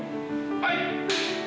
はい！